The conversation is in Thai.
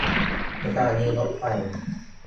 สถานีรถไฟ